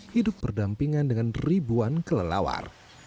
hidup berdampingan dengan ribuan kelelawar